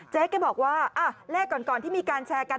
แกบอกว่าเลขก่อนที่มีการแชร์กัน